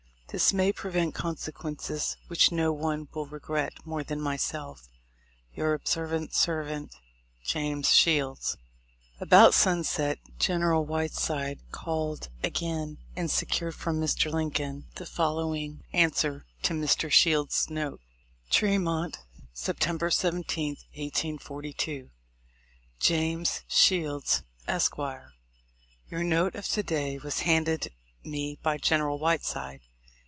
This may prevent consequences which no one will regret more than myself. Your ob't serv't, J as. Shields. About sunset, General Whiteside called again, and secured from Mr. Lincoln the following an swer to Mr. Shield's note :— Tremoxt, September 17, 1842. Jas. Shields, Esq. :— Your note of to day was handed me by General Whiteside.